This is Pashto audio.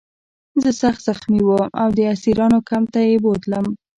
زه سخت زخمي وم او د اسیرانو کمپ ته یې بوتلم